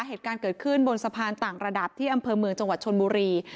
เหตุการณ์เกิดขึ้นบนสะพานต่างระดับที่อำเภอเมืองจังหวัดชนบุรี